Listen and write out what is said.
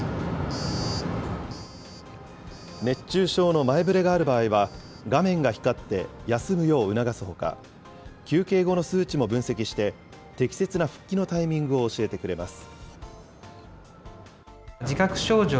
熱中症の前ぶれがある場合は、画面が光って休むよう促すほか、休憩後の数値も分析して、適切な復帰のタイミングを教えてくれます。